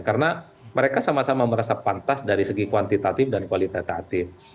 karena mereka sama sama merasa pantas dari segi kuantitatif dan kualitatif